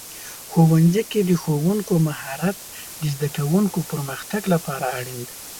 ښوونځي کې د ښوونکو مهارت د زده کوونکو پرمختګ لپاره اړین دی.